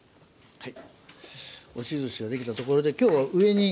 はい。